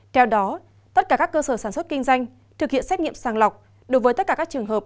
theo đó tất cả các cơ sở sản xuất kinh doanh thực hiện xét nghiệm sàng lọc đối với tất cả các trường hợp